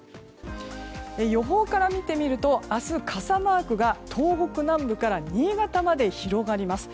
予報から見てみると明日、傘マークが東北南部から新潟まで広がります。